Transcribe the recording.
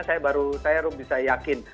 saya baru bisa yakin